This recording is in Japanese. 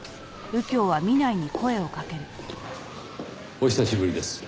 お久しぶりです。